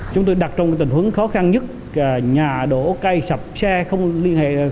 chúng tôi đặt trong tình huống khó khăn nhất nhà đổ cây sập xe không liên hệ